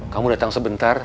kamu datang sebentar